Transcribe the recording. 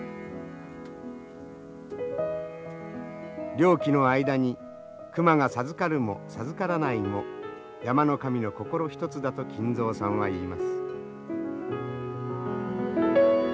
猟期の間に熊が授かるも授からないも山の神の心一つだと金蔵さんは言います。